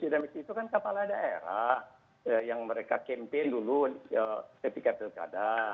visi dan misi itu kan kepala daerah yang mereka campaign dulu ketika pilkada